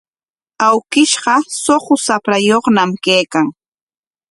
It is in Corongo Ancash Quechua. Awkishqa suqu shaprayuqñam kaykan.